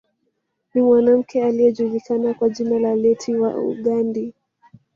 Ni mwanamke aliyejulikana kwa jina la Leti wa Ughandi